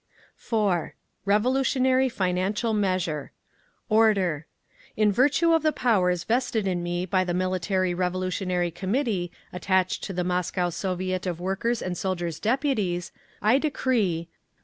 REVOLUTIONARY FINANCIAL MEASURE Order In virtue of the powers vested in me by the Military Revolutionary Committee attached to the Moscow Soviet of Workers' and Soldiers' Deputies, I decree: 1.